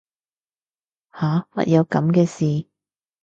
吓乜有噉嘅事